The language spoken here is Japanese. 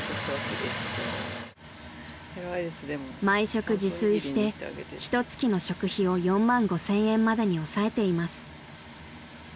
［毎食自炊してひと月の食費を４万５，０００円までに抑えています］